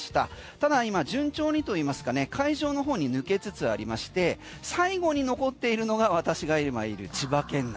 ただ今、順調にといいますかね海上の方に抜けつつありまして最後に残っているのが私が今いる千葉県内。